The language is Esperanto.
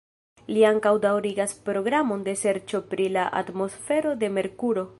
Li ankaŭ daŭrigas programon de serĉo pri la atmosfero de Merkuro.